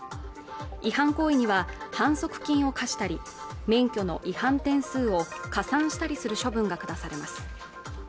違反行為には反則金を科したり免許の違反点数を加算したりする処分が下されます